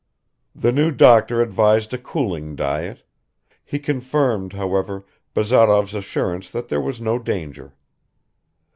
The new doctor advised a cooling diet; he confirmed, however, Bazarov's assurance that there was no danger.